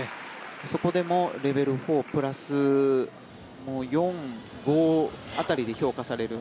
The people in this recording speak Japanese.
そこでもレベル４プラス４、５辺りで評価される